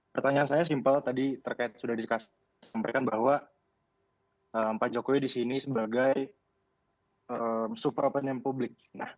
pertanyaan saya simpel tadi terkait sudah disampaikan bahwa pak jokowi disini sebagai super open yang publik